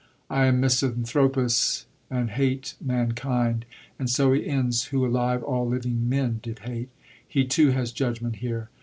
"I am tnisanthTopos, and hate mankind." And so he ends, " who, alive, all living men did hate." He, too, has judgment here.